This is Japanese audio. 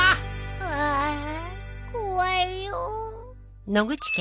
ああ怖いよ。